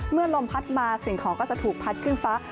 ลมพัดมาสิ่งของก็จะถูกพัดขึ้นฟ้า